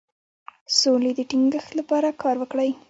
د سولې د ټینګښت لپاره کار وکړئ.